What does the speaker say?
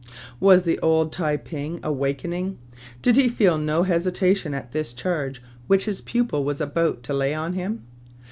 Was the old Tai ping awakening ? Did he feel no hesita tion at this charge which his pupil was about to lay on him?